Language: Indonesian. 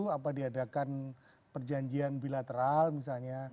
apa diadakan perjanjian bilateral misalnya